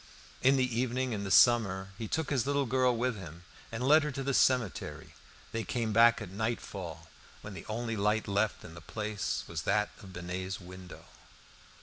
In the evening in summer he took his little girl with him and led her to the cemetery. They came back at nightfall, when the only light left in the Place was that in Binet's window.